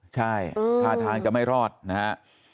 ใช่ท่าทางจะไม่รอดนะฮะ